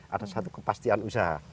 ada satu kepastian usaha